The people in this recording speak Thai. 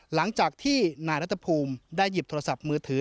หลังจากที่นายรัฐภูมิได้หยิบโทรศัพท์มือถือ